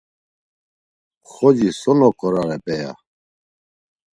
Xoci so noǩorare p̌eya?